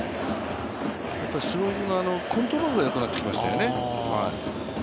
スローイングはコントロールがよくなってきましたよね。